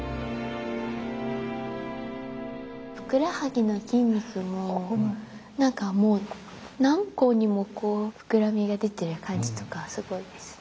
ふくらはぎの筋肉も何かもう何個にもこう膨らみが出てる感じとかすごいです。